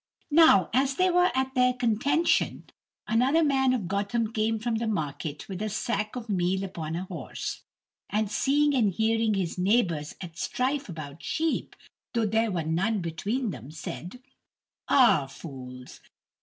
Now, as they were at their contention, another man of Gotham came from the market with a sack of meal upon a horse, and seeing and hearing his neighbours at strife about sheep, though there were none between them, said: "Ah, fools!